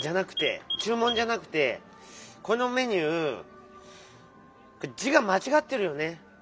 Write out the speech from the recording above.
ちゅう文じゃなくてこのメニュー字がまちがってるよね。